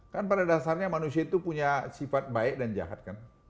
kan pada dasarnya manusia itu punya sifat baik dan jahat kan